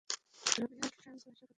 Robert French ভাষায় কথা বলে।